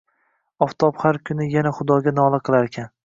Oftob har kuni yana Xudoga nola qilarkan.